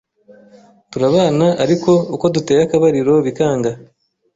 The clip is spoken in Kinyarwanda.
Turabana ariko uko duteye akabariro bikanga